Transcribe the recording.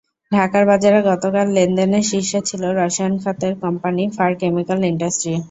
ঢাকার বাজারে গতকাল লেনদেনের শীর্ষে ছিল রসায়ন খাতের কোম্পানি ফার কেমিক্যাল ইন্ডাস্ট্রি।